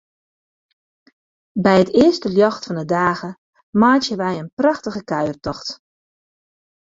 By it earste ljocht fan 'e dage meitsje wy in prachtige kuiertocht.